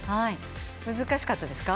難しかったですか？